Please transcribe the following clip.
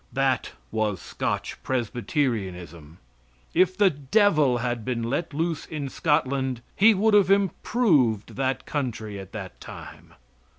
That was Scotch Presbyterianism. If the devil had been let loose in Scotland he would have improved that country at that time.